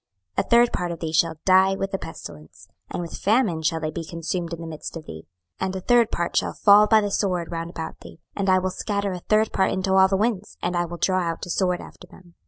26:005:012 A third part of thee shall die with the pestilence, and with famine shall they be consumed in the midst of thee: and a third part shall fall by the sword round about thee; and I will scatter a third part into all the winds, and I will draw out a sword after them.